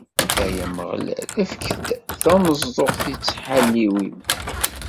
Ay Ameɣlal, efk-d tameẓẓuɣt i ttḥalil-iw.